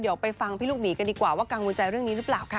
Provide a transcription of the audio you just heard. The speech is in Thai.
เดี๋ยวไปฟังพี่ลูกหมีกันดีกว่าว่ากังวลใจเรื่องนี้หรือเปล่าค่ะ